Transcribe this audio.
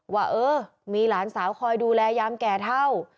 ว่าเออมีหลานสาวคอยดูแลยามแก่เท่า